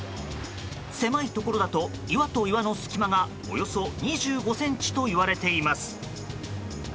狭いところだと、岩と岩の隙間がおよそ２５ｃｍといわれています。